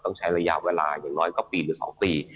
ต้องใช้ระยะเวลาอย่างน้อยก็ปีหรือ๒ปี